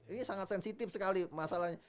ini sangat sensitif sekali masalahnya